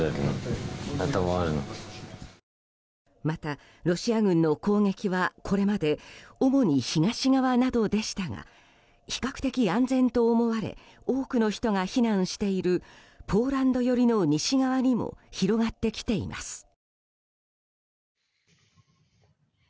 また、ロシア軍の攻撃はこれまで主に東側などでしたが比較的安全と思われ多くの人が避難しているポーランド寄りの西側にも広がってきています。